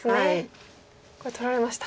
これ取られました。